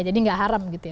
jadi nggak haram gitu ya